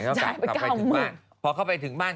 จ่ายไป๙๐๐๐๐บาทพอเข้าไปถึงบ้าน